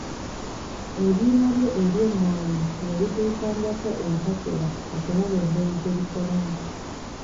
Ebyuma bye eby'emmwanyi yabituukangako entakera okulaba engeri gye bikolamu